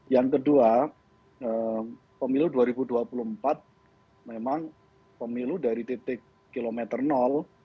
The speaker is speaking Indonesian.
yang kedua pemilu dua ribu dua puluh empat memang pemilu dari titik kilometer